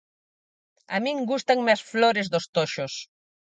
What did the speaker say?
A min gústanme as flores dos toxos.